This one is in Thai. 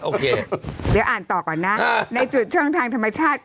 โอเคเดี๋ยวอ่านต่อก่อนนะในจุดช่องทางธรรมชาติ